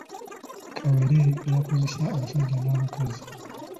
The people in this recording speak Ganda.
Kawere by’akozesa abasajja n’abakazi